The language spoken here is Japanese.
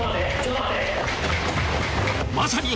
［まさに］